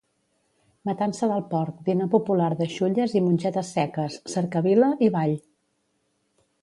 Matança del porc, dinar popular de xulles i mongetes seques, cercavila i ball.